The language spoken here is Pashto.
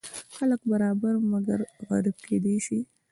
خلک برابر مګر غریب کیدی شي.